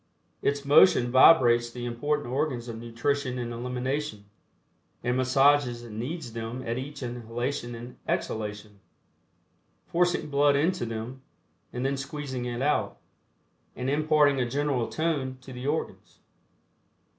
Its motion vibrates the important organs of nutrition and elimination, and massages and kneads them at each inhalation and exhalation, forcing blood into them, and then squeezing it out, and imparting a general tone to the organs.